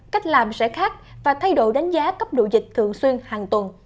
cách làm sẽ khác và thay đổi đánh giá cấp độ dịch thường xuyên hàng tuần